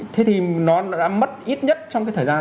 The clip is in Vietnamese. thế thì nó đã mất ít nhất trong cái thời gian